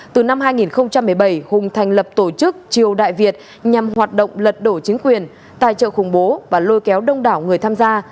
từ năm hai nghìn một mươi bảy hùng thành lập tổ chức triều đại việt nhằm hoạt động lật đổ chính quyền tài trợ khủng bố và lôi kéo đông đảo người tham gia